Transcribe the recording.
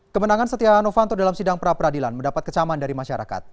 kemenangan setia novanto dalam sidang pra peradilan mendapat kecaman dari masyarakat